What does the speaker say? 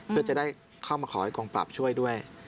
เพื่อจะได้เข้ามาขอให้กองปรับช่วยด้วย